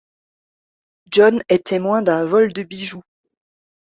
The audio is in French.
John est témoin d'un vol de bijoux.